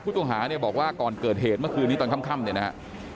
เนี่ยบอกว่าก่อนเกิดเหตุเมื่อคืนนี้ตอนค่ำเนี่ยนะฮะ